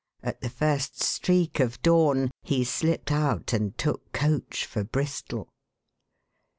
At the first streak of dawn, he slipped out and took coach for Bristol.